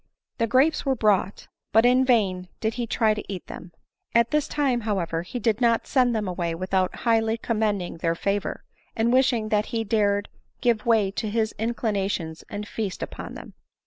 The grapes were brought ; but in vain did he try to eat them. At this time, however, he did not send them away without highly commending their flavor, and wish ing that he dared give way to his inclinations and feast upon them.